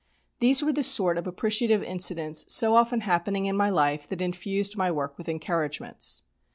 These were the sort of appreciative incidents so often happening in my life that infused my work with encouragements.